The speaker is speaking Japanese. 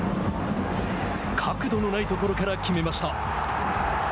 角度のないところから決めました。